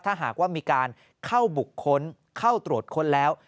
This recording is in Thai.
ถ้าหากว่ามีการเข้าบุคคลเข้าตรวจค้นแล้ว